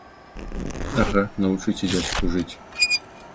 Ага, навучыце дзядзьку жыць!